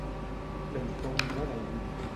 Fer el compte del vi.